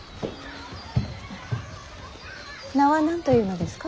名は何というのですか。